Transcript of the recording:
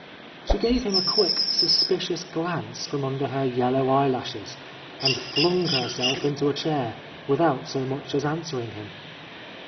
She gave him a quick, suspicious glance from under her yellow eyelashes and flung herself into a chair without so much as answering him.